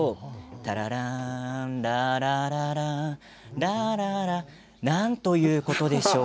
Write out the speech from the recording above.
ラララーンラララなんということでしょう！